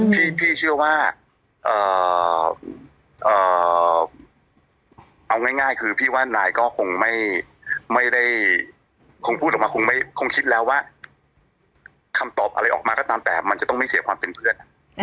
พี่เชื่อว่าเอาง่ายคือพี่ว่านายก็คงไม่ได้คงพูดออกมาคงคิดแล้วว่าคำตอบอะไรออกมาก็ตามแต่มันจะต้องไม่เสียความเป็นเพื่อน